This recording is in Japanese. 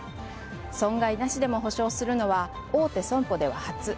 損害なしでも補償するのは大手損保では初。